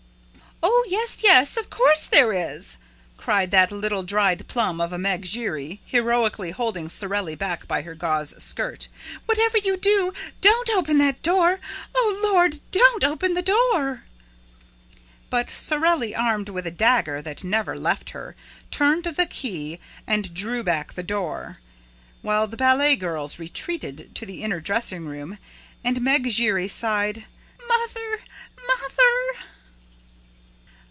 "Oh, yes, yes! Of course there is!" cried that little dried plum of a Meg Giry, heroically holding Sorelli back by her gauze skirt. "Whatever you do, don't open the door! Oh, Lord, don't open the door!" But Sorelli, armed with a dagger that never left her, turned the key and drew back the door, while the ballet girls retreated to the inner dressing room and Meg Giry sighed: "Mother! Mother!"